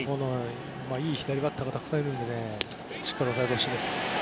いい左バッターがたくさんいるのでしっかり抑えてほしいです。